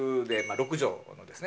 ６畳のですね